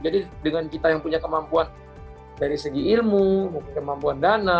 jadi dengan kita yang punya kemampuan dari segi ilmu kemampuan dana